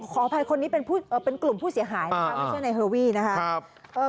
ขออภัยคนนี้เป็นกลุ่มผู้เสียหายไม่ใช่นายเฮอร์วี่